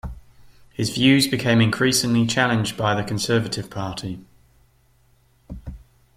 His views became increasingly challenged by the Conservative Party.